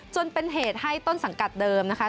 จนเป็นเหตุให้ต้นสังกัดเดิมนะคะ